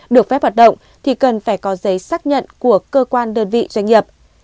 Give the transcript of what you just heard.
được phép hoạt động thì cần phải có giấy xác nhận của cơ quan đơn vị doanh nghiệp